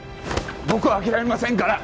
僕は諦めませんから。